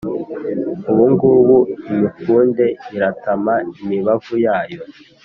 Ubu ngubu imikunde iratama imibavu yayo,